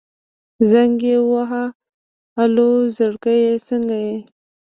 زنګ يې ووهه الو زړګيه څنګه يې.